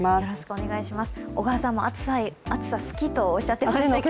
小川さんも暑さ、好きとおっしゃっていましたけれども。